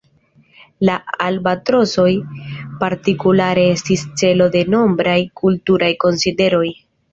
La albatrosoj partikulare estis celo de nombraj kulturaj konsideroj.